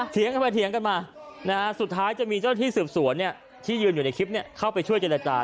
เถียงกันไปเถียงกันมาสุดท้ายจะมีเจ้าที่สืบสวนที่ยืนอยู่ในคลิปเข้าไปช่วยเจรจา